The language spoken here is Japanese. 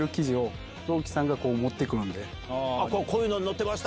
こういうのに載ってました！